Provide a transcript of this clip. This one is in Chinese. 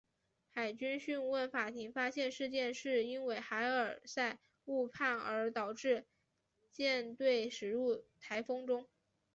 海军讯问法庭发现事件是因为海尔赛误判而导致舰队驶进台风中。